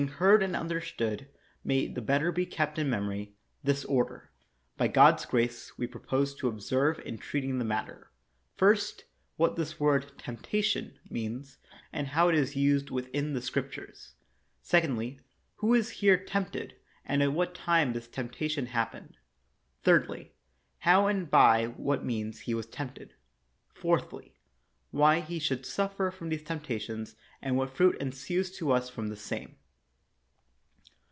23 THE WORLD'S FAMOUS ORATIONS heard and understood, may the better be kept m memory, this order, by God's grace, we pro pose to observe, in treating the matter: First what this word "temptation" means, and how it is used within the Scriptures. Secondly, who is here tempted, and at what time this temptation happened. Thirdly, how and by what means he was tempted. Fourthly, why he should suffer these temptations, and what fruit ensues to us from the same.